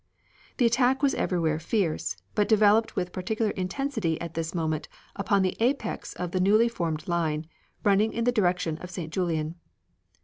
The attack was everywhere fierce, but developed with particular intensity at this moment upon the apex of the newly formed line, running in the direction of St. Julien.